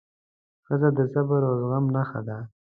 ښځه د صبر او زغم نښه ده.